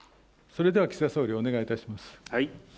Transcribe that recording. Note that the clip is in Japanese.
それでは岸田総理、お願いいたします。